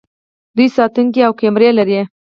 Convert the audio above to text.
دوی ساتونکي او کمرې لري.